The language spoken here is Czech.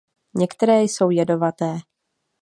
Některé jsou jedovaté.